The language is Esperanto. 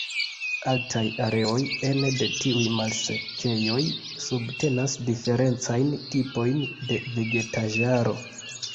Altaj areoj ene de tiuj malsekejoj subtenas diferencajn tipojn de vegetaĵaro.